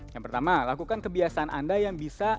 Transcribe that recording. yang pertama lakukan kebiasaan anda yang bisa